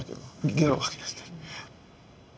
ゲロ吐き出してる。